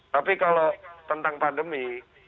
tapi kalau tentang pandemi